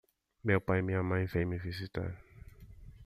meu pai e minha mãe vem me visitar